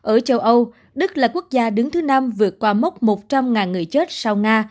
ở châu âu đức là quốc gia đứng thứ năm vượt qua mốc một trăm linh người chết sau nga